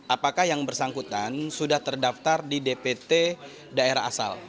apakah yang bersangkutan sudah terdaftar di dpt daerah asal